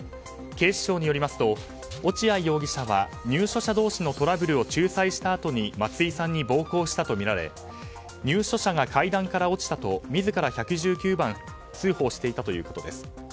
警視庁によりますと落合容疑者は入所者同士のトラブルを仲裁したあとに松井さんに暴行したとみられ入所者が階段から落ちたと自ら１１９番通報していたということです。